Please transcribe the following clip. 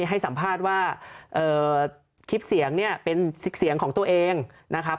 ให้สัมภาษณ์ว่าคลิปเสียงเนี่ยเป็นเสียงของตัวเองนะครับ